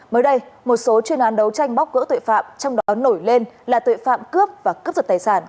mới đây một số chuyên án đấu tranh bóc gỡ tội phạm trong đó nổi lên là tội phạm cướp và cướp giật tài sản